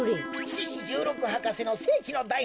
獅子じゅうろく博士のせいきのだい